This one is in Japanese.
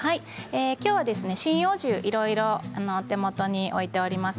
今日は針葉樹をいろいろお手元に置いております。